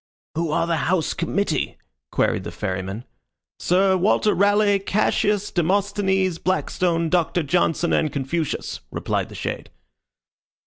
"Who are the house committee?" queried the Ferryman. "Sir Walter Raleigh, Cassius, Demosthenes, Blackstone, Doctor Johnson, and Confucius," replied the shade.